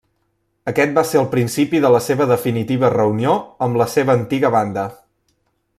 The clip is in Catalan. Aquest va ser el principi de la seva definitiva reunió amb la seva antiga banda.